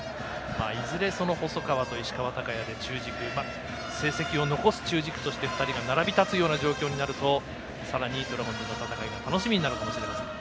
いずれ細川と石川昂弥で中軸成績を残す中軸として２人が並び立つような状況になるとさらにドラゴンズの戦いが楽しみになるかもしれません。